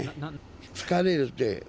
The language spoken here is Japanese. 疲れるって。